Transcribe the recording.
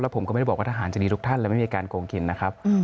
ผมก็ไม่ได้บอกว่าทหารจะดีทุกท่านเลยไม่มีการโกงกินนะครับ